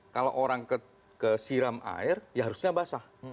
kalau orang kesiram air ya harusnya basah